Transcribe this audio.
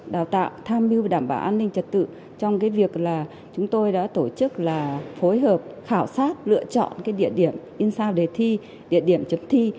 đào tạo tham mưu và đảm bảo an ninh trật tự trong cái việc là chúng tôi đã tổ chức là phối hợp khảo sát lựa chọn cái địa điểm in sao đề thi địa điểm chấm thi